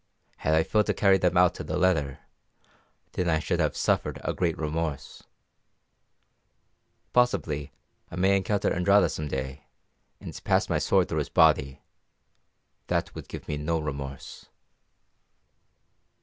Had I failed to carry them out to the letter, then I should have suffered a great remorse. Possibly I may encounter Andrada some day, and pass my sword through his body; that would give me no remorse."